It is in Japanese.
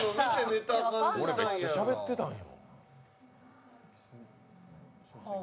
俺、めっちゃしゃべってたんよ。